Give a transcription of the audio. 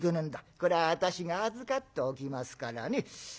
これは私が預かっておきますからね。